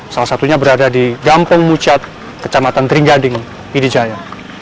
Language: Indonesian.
salah satunya berada di gampong mucat kecamatan tringgading idijaya